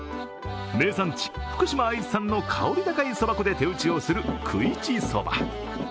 名産地、福島・会津産の香り高いそば粉で手打ちをする九一そば。